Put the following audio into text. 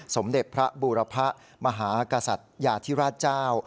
สมเด็จพระบูรพะมหากษัตริยาธิราชเจ้า